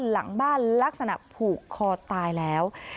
หลังบ้านลักษณะผูกคอตายแล้ว